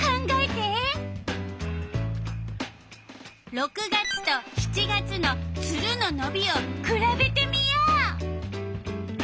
６月と７月のツルののびをくらべてみよう。